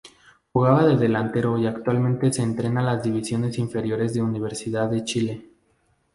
Jugaba de delantero y actualmente entrena las divisiones inferiores de Universidad de Chile.